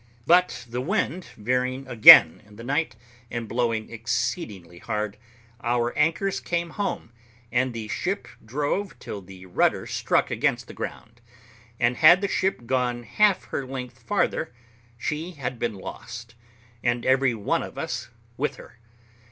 But the wind veering again in the night, and blowing exceedingly hard, our anchors came home, and the ship drove till the rudder struck against the ground; and had the ship gone half her length farther she had been lost, and every one of us with her.